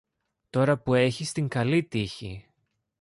τώρα που έχεις την καλή τύχη